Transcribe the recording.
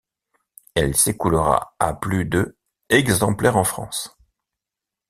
Elle s'écoulera à plus de exemplaires en France.